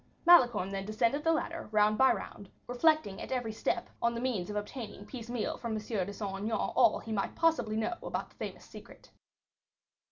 Malicorne then descended the ladder, round by round, reflecting at every step on the means of obtaining piecemeal from M. de Saint Aignan all he might possibly know about the famous secret.